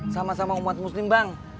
sama sama umat muslim bang